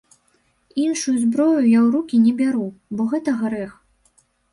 Іншую зброю я ў рукі не бяру, бо гэта грэх.